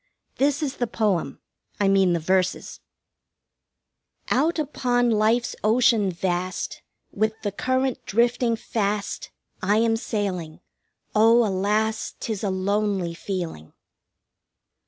This is the poem I mean the verses: 1 Out upon life's ocean vast, With the current drifting fast, I am sailing. Oh, alas, 'Tis a lonely feeling!